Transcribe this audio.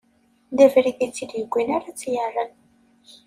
D abrid i tt-id-iwwin ara tt-irren.